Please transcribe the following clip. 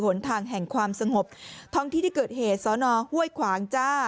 หนทางแห่งความสงบท้องที่ที่เกิดเหตุสอนอห้วยขวางจ้า